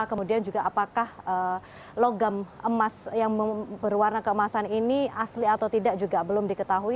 kemudian juga apakah logam emas yang berwarna keemasan ini asli atau tidak juga belum diketahui